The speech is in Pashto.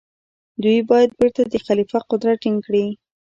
دوی باید بيرته د خليفه قدرت ټينګ کړي.